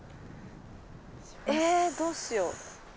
えどうしよう。